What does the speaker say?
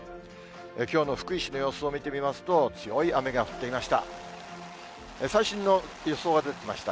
きょうの福井市の様子を見てみますと、強い雨が降っていました。